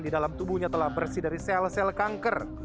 di dalam tubuhnya telah bersih dari sel sel kanker